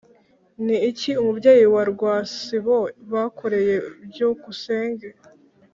ni iki umubyeyi na rwasibo bakoreye byukusenge?